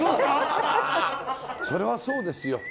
それはそうですよ。